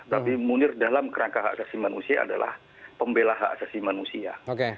tapi munir dalam kerangka hak asasi manusia adalah pembelah hak asasi manusia